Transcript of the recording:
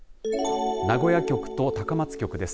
名古屋局と高松局です。